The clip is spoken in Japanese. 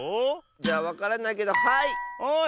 じゃあわからないけどはい！